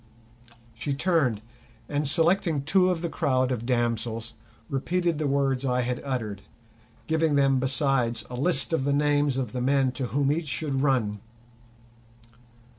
She turned, and selecting two of the crowd of damsels, repeated the words I had uttered, giving them besides a list of the names of the men to whom each should run.